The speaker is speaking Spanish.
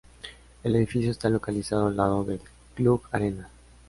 El edificio está localizado al lado del Cluj Arena.